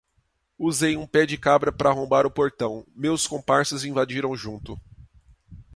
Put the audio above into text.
Usei um pé de cabra pra arrombar o portão, meus comparsas invadiram junto